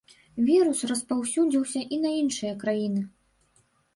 Вірус распаўсюдзіўся і на іншыя краіны.